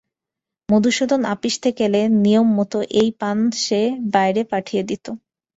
মধুসূদন আপিস থেকে এলে নিয়মমত এই পান সে বাইরে পাঠিয়ে দিত।